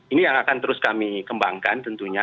ini yang akan terus kami kembangkan tentunya